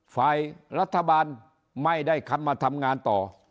ฝ่ายรัฐบาลไม่ได้คันมาทำงานต่อ